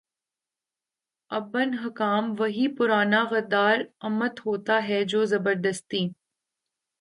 ابن حکام وہی پرانا غدار امت ہوتا ہے جو زبردستی